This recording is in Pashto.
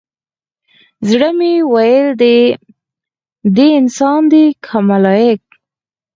زړه مې ويل دى انسان دى كه ملايك؟